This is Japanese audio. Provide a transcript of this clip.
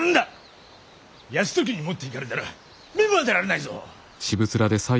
泰時に持っていかれたら目も当てられないぞ！